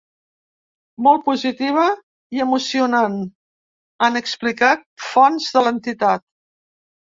Molt positiva i emocionant, han explicat fonts de l’entitat.